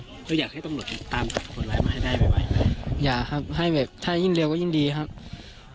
เธออยากให้ตำลดติดตามกับคนไว้มาให้ได้ไว้ไว้อย่าครับให้เว็บถ้ายิ่งเร็วก็ยิ่งดีครับ